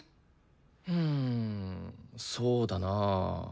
うんそうだな。